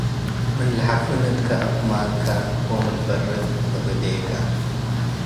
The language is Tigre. ምን ለሐፍን እትከ እብ መንከ ወምን በርድ እብ እዴከ።